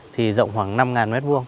thì rộng khoảng năm m hai